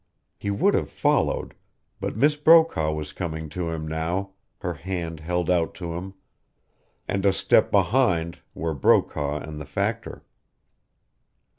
He would have followed, but Miss Brokaw was coming to him now, her hand held out to him, and a step behind were Brokaw and the factor.